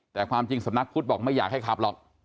แต่ความจริงสำนักพุทธบอกไม่อยากให้ขับหรอก